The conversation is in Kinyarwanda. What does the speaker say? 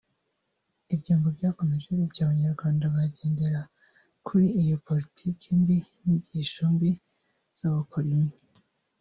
Ibyo ngo byakomeje bityo Abanyarwanda bagendera kuri iyo politiki mbi n’inyigisho mbi z’abakoloni